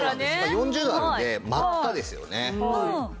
４０度あるので真っ赤ですよね。